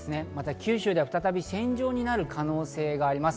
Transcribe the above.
九州では再び線状になる可能性があります。